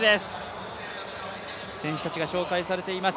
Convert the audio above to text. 選手たちが紹介されています。